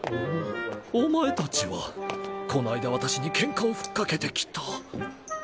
お前たちはこの間私にケンカを吹っ掛けてきた。